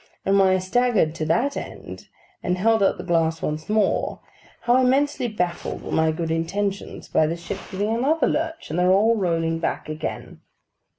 And when I staggered to that end, and held out the glass once more, how immensely baffled were my good intentions by the ship giving another lurch, and their all rolling back again!